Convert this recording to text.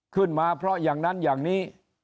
ขึ้นมาเพราะอย่างนั้นอย่างนี้